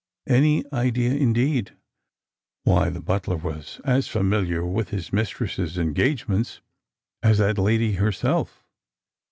Any idea indeed! Why, the butler was as familiar with his mistress's engagements as that lady herself.